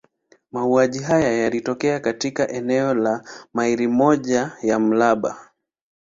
Mauaji haya yalitokea katika eneo la maili moja ya mraba.